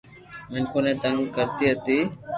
مينکون ني تنگ ڪرتي ھتي